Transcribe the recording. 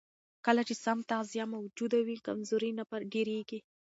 کله چې سم تغذیه موجوده وي، کمزوري نه ډېرېږي.